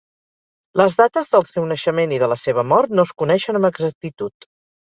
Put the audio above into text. Les dates del seu naixement i de la seva mort no es coneixen amb exactitud.